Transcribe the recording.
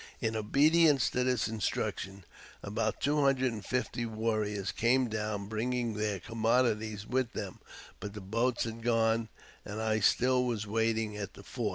In obedience to this instruction, about two hundred and fifty warriors came down, bringing their commodities with them but the boats had gone, and I still was waiting at the fort.